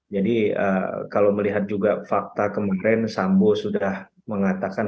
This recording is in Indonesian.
jadi kalau melihat juga fakta kemarin sambo sudah mengatakan